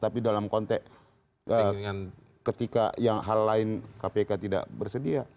tapi dalam konteks ketika yang hal lain kpk tidak bersedia